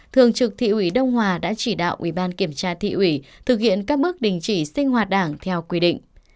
thường trực thị ủy đông hòa đã chỉ đạo ủy ban kiểm tra thị ủy thực hiện các bước đình chỉ sinh hoạt đảng theo quy định